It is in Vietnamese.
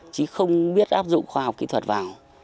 chứ không biết áp dụng khoa học kỹ thuật vào